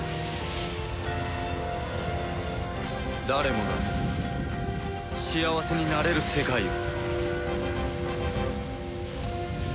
誰もが幸せになれる世界を。